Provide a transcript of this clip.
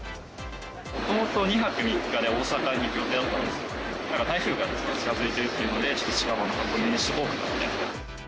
もともと２泊３日で大阪に行く予定だったんですけど、台風が近づいてるっていうんで、ちょっと近場の箱根にしとこうみたいな。